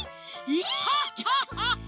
ハハハハハ！